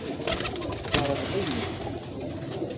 Tesseṛɣeḍ-iyi-t.